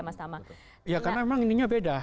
mas tama ya karena memang ininya beda